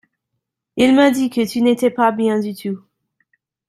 Il m’a dit que tu n’étais pas bien du tout.